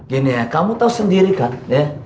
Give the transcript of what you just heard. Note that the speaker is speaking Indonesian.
gini ya kamu tahu sendiri kak ya